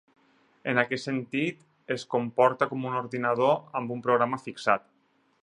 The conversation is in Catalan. En aquest sentit, es comporta com un ordinador amb un programa fixat.